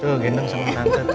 tuh gendong sama tante tuh